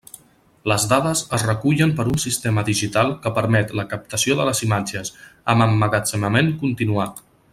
Les dades es recullen per un sistema digital que permet la captació de les imatges, amb emmagatzemament continuat.